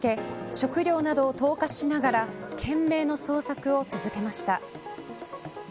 食料などを投下しながら懸命の捜索を続けました。